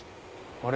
あれ？